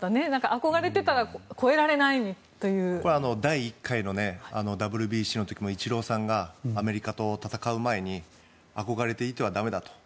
憧れていたら第１回のＷＢＣの時もイチローさんがアメリカと戦う前に憧れていては駄目だと。